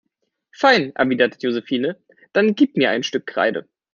Fein, erwidert Josephine, dann gib mir ein Stück Kreide.